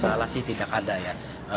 masalah sih tidak ada ya